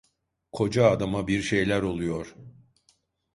Koca adama bir şeyler oluyor!